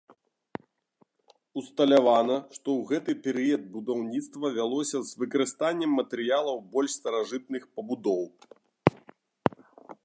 Усталявана, што ў гэты перыяд будаўніцтва вялося з выкарыстаннем матэрыялаў больш старажытных пабудоў.